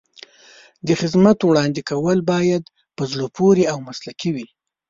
د خدمت وړاندې کول باید په زړه پورې او مسلکي وي.